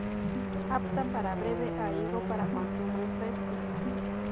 Apta para breva e higo para consumo en fresco.